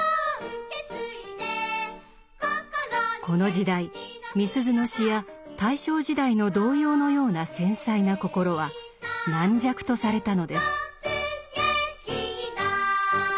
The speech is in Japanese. この時代みすゞの詩や大正時代の童謡のような繊細な心は軟弱とされたのです。